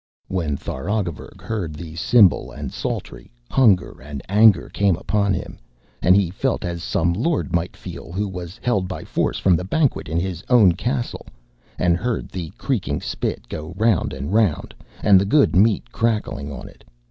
When Tharagavverug heard the cymbal and psaltery, hunger and anger came upon him, and he felt as some lord might feel who was held by force from the banquet in his own castle and heard the creaking spit go round and round and the good meat crackling on it.